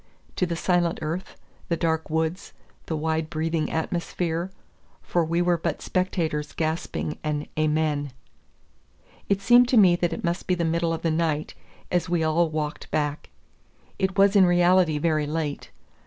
to the silent earth, the dark woods, the wide breathing atmosphere; for we were but spectators gasping an Amen! It seemed to me that it must be the middle of the night, as we all walked back. It was in reality very late. Dr.